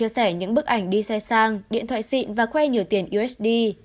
sàng điện thoại xịn và khoe nhiều tiền usd